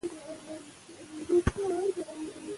ټولنه د شعر د درک توان نه لري.